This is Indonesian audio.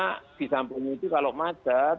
karena di samping itu kalau majat